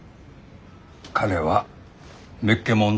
彼はめっけもんだね。